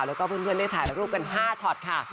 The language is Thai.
แล้วก็เพื่อนได้ถ่ายรูปกัน๕ช็อตค่ะ